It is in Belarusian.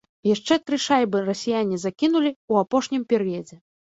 Яшчэ тры шайбы расіяне закінулі ў апошнім перыядзе.